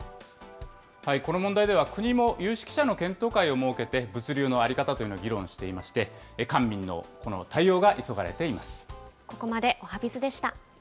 この問題では、国も有識者の検討会を設けて、物流の在り方というのを議論していまして、官民の対応が急がれています。